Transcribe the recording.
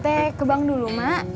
tadi ddt kebang dulu mak